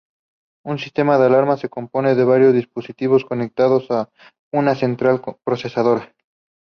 Un sistema de alarma se compone de varios dispositivos conectados a una central procesadora.